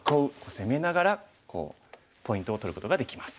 攻めながらこうポイントを取ることができます。